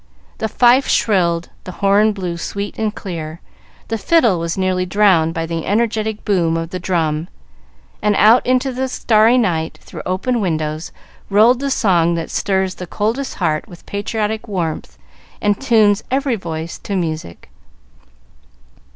The fife shrilled, the horn blew sweet and clear, the fiddle was nearly drowned by the energetic boom of the drum, and out into the starry night, through open windows, rolled the song that stirs the coldest heart with patriotic warmth and tunes every voice to music.